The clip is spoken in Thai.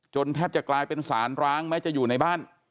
แทบจะกลายเป็นสารร้างแม้จะอยู่ในบ้าน